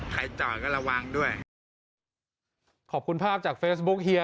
จอดก็ระวังด้วยขอบคุณภาพจากเฟซบุ๊คเฮีย